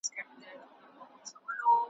د غیرت او د ناموس خبره ولاړه ,